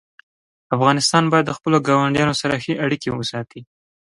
افغانستان باید د خپلو ګاونډیانو سره ښې اړیکې وساتي.